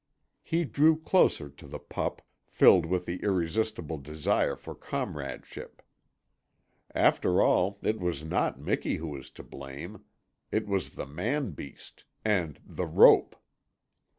He drew closer to the pup, filled with the irresistible desire for comradeship. After all, it was not Miki who was to blame. It was the man beast and THE ROPE!